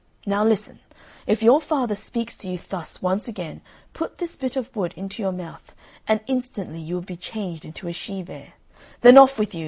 Now listen; if your father speaks to you thus once again put this bit of wood into your mouth, and instantly you will be changed into a she bear; then off with you!